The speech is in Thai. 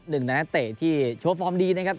หนึ่งในนักเตะที่โชว์ฟอร์มดีนะครับ